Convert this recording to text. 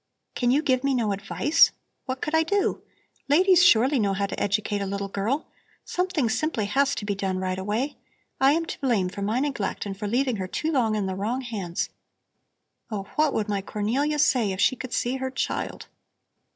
Can you give me no advice? What could I do? Ladies surely know how to educate a little girl. Something simply has to be done right away. I am to blame for my neglect and for leaving her too long in the wrong hands. Oh, what would my Cornelia say if she could see her child?"